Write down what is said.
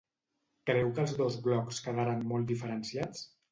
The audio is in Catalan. Creu que els dos blocs quedaran molt diferenciats?